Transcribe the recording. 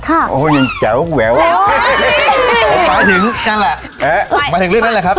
ครับโอ้ยยังแจ๋วแหววเร็วมาถึงกันแหละเอ๊ะมาถึงเรื่องนั้นแหละครับ